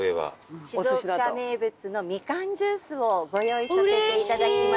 静岡名物のみかんジュースをご用意させて頂きました。